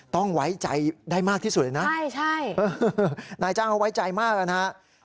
ต้องไว้ใจได้มากที่สุดเลยนะนายจ้างว่าไว้ใจมากแล้วนะฮะใช่